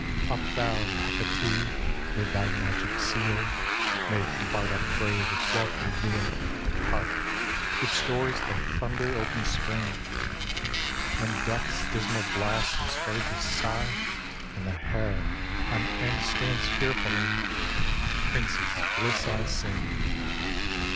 Up, thou Hecate! with thy magic seal Make the barred up grave its wealth reveal, Hark! its doors like thunder open spring; When death's dismal blast is heard to sigh, And the hair on end stands fearfully, Princes' bliss I sing!